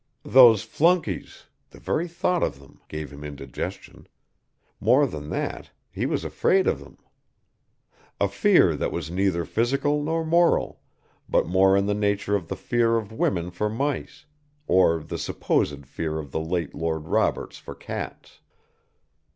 Those flunkeys the very thought of them gave him indigestion more than that, he was afraid of them. A fear that was neither physical nor moral, but more in the nature of the fear of women for mice, or the supposed fear of the late Lord Roberts for cats.